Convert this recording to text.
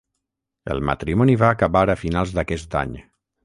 El matrimoni va acabar a finals d'aquest any.